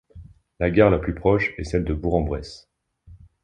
La gare la plus proche est celle de Bourg-en-Bresse.